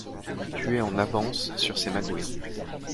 Tu es en avance sur ces magouilles.